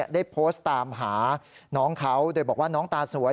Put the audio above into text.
ได้โพสต์ตามหาน้องเขาโดยบอกว่าน้องตาสวย